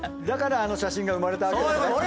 だからあの写真が生まれたわけですね。